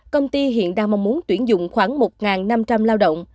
công ty hiện đang mong muốn tuyển dụng khoảng một năm trăm linh lao động